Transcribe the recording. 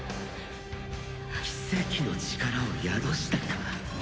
奇跡の力を宿したか。